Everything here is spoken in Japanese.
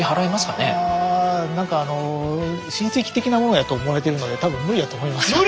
何かあの親戚的なものやと思われてるので多分無理やと思いますよ。